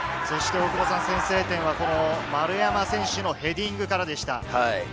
先制点は丸山選手のヘディングからでした。